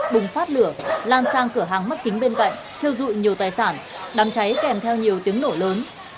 bùng phát lửa lan sang cửa hàng mắc kính bên cạnh thiêu dụi nhiều tài sản đám cháy kèm theo nhiều tiếng nổ lớn